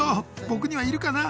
僕にはいるかな？